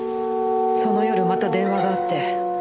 その夜また電話があって。